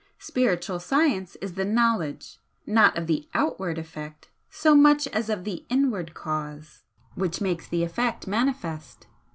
'Spiritual science' is the knowledge, not of the outward effect so much as of the inward cause which makes the effect manifest.